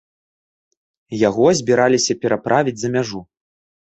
Яго збіраліся пераправіць за мяжу.